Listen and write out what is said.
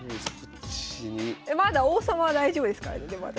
まだ王様は大丈夫ですからねでも私。